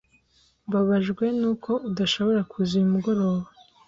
Mbabajwe nuko udashobora kuza uyu mugoroba.